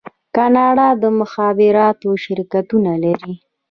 کاناډا د مخابراتو شرکتونه لري.